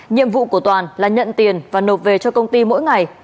nhiệm vụ của toàn là nhận tiền và nộp về cho công ty mỗi ngày